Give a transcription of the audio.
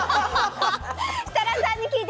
設楽さんに聞いて！